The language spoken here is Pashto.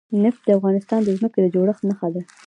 نفت د افغانستان د ځمکې د جوړښت نښه ده.